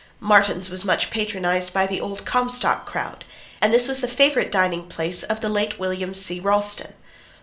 Martin's was much patronized by the Old Comstock crowd, and this was the favorite dining place of the late William C. Ralston.